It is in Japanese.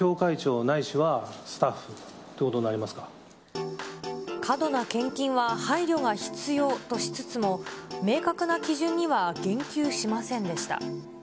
教会長ないしはスタッフとい過度な献金は配慮が必要としつつも、明確な基準には言及しませんでした。